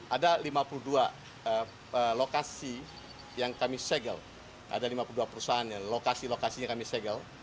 ada lima puluh dua lokasi yang kami segel ada lima puluh dua perusahaan yang lokasi lokasinya kami segel